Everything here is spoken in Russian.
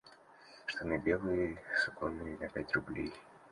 Штаны белые суконные на пять рублей.